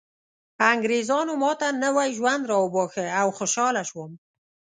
انګریزانو ماته نوی ژوند راوباښه او خوشحاله شوم